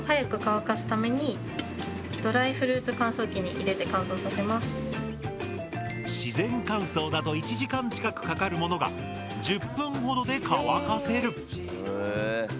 これで自然乾燥だと１時間近くかかるものが１０分ほどで乾かせる。